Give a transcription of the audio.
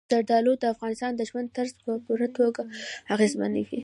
زردالو د افغانانو د ژوند طرز په پوره توګه اغېزمنوي.